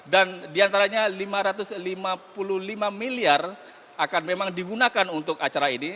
dan diantaranya lima ratus lima puluh lima miliar akan memang digunakan untuk acara ini